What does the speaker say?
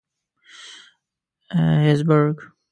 هېزبرګ.